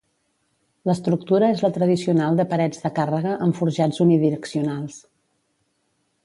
L'estructura és la tradicional de parets de càrrega amb forjats unidireccionals.